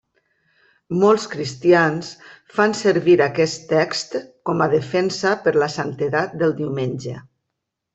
Molts cristians fan servir aquest text com a defensa per la santedat del Diumenge.